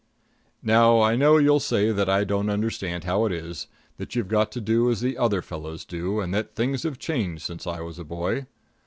Now I know you'll say that I don't understand how it is; that you've got to do as the other fellows do; and that things have changed since I was a boy.